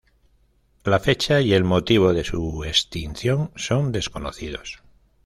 La fecha y el motivo de su extinción son desconocidos.